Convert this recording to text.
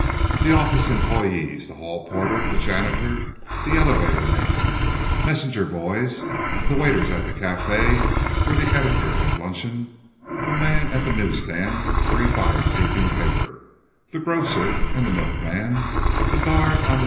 The office employees, the hall porter, the janitor, the elevator man, messenger boys, the waiters at the café where the editor has luncheon, the man at the news stand where he buys his evening paper, the grocer and milkman, the guard on the 5.